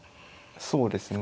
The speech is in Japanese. そうですね。